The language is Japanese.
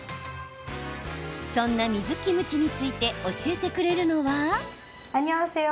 そんな水キムチについて教えてくれるのは。